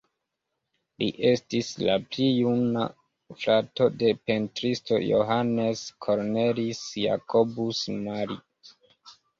Li estis la pli juna frato de pentristo Johannes Cornelis Jacobus Mali.